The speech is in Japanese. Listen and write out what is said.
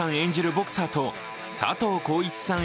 ボクサーと佐藤浩市さん